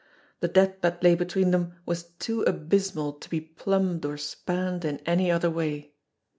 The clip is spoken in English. The debt that lay between them was too abysmal to be plumbed or spanned in any other way.